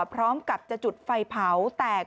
พร้อมกับจะจุดไฟเผาแตก